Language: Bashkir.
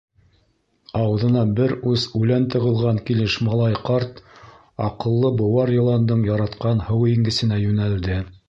Ауыҙына бер ус үлән тығылған килеш малай ҡарт, аҡыллы быуар йыландың яратҡан һыуингесенә йүнәлде.